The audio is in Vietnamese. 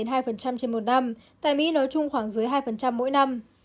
nhật bản là hai hai trên một năm tại mỹ nói chung khoảng dưới hai mỗi năm